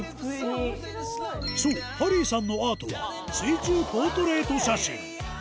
そうハリーさんのアートは水中ポートレート写真